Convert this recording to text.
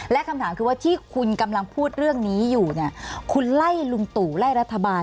และคำถามคือว่าที่คุณกำลังพูดเรื่องนี้อยู่เนี่ยคุณไล่ลุงตู่ไล่รัฐบาล